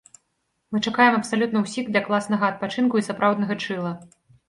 Мы чакаем абсалютна ўсіх для класнага адпачынку і сапраўднага чылла!